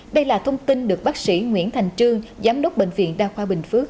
đây là thông tin được bác sĩ nguyễn thành trương giám đốc bệnh viện đa khoa bình phước